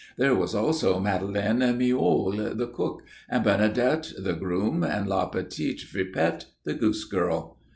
There were also Madeline Mioulles, the cook, and Bernadet the groom, and La Petite Fripette the goose girl.